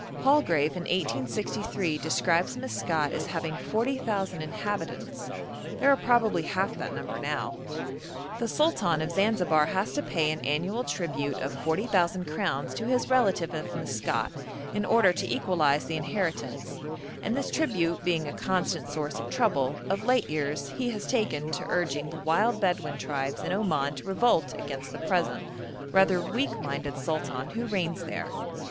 Palgrave in 1863 describes Maskat as having 40,000 inhabitants; there are probably half that number now. The Sultan of Zanzibar has to pay an annual tribute of 40,000 crowns to his relative of Maskat in order to equalise the inheritance, and this tribute being a constant source of trouble, of late years he has taken to urging the wild Bedouin tribes in Oman to revolt against the present, rather weak minded sultan who reigns there.